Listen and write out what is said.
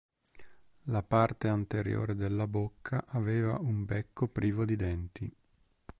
La parte anteriore della bocca aveva un becco privo di denti.